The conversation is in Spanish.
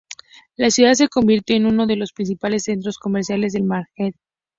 La ciudad se convirtió en uno de los principales centros comerciales del Magreb.